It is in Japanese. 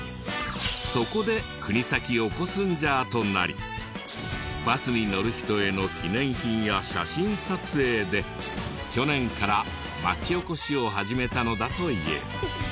そこで国東オコスンジャーとなりバスに乗る人への記念品や写真撮影で去年から町おこしを始めたのだという。